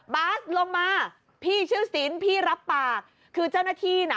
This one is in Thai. บาสลงมาพี่ชื่อสินพี่รับปากคือเจ้าหน้าที่น่ะ